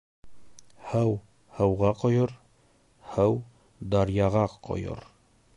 Һыу һыуға ҡойор, һыу даръяға ҡойор.